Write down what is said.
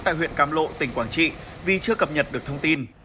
tại huyện cam lộ tỉnh quảng trị vì chưa cập nhật được thông tin